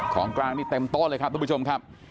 ของกลางแทนเตี้ยมโต๊ะเลยครับท่านผู้ชมครับ